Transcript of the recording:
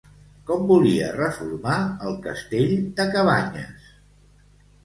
Com volia reformar el castell de Cabanyes?